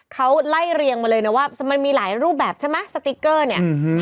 เขาไล่เรียงมาเลยนะว่ามันมีหลายรูปแบบใช่ไหมสติ๊กเกอร์เนี่ย